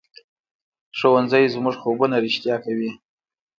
ښوونځی زموږ خوبونه رښتیا کوي